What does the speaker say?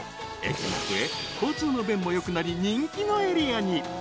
［駅も増え交通の便もよくなり人気のエリアに］